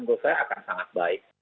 menurut saya akan sangat baik